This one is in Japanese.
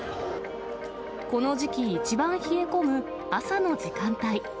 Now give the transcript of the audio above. この時期一番冷え込む朝の時間帯。